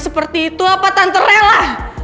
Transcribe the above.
seperti itu apa tante rela